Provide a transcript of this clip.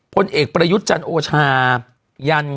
ผลเอกประยุทธ์จันทร์โอชา